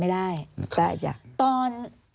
อันดับ๖๓๕จัดใช้วิจิตร